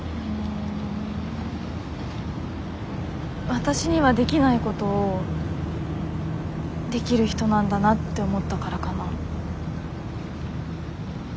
わたしにはできないことをできる人なんだなって思ったからかな。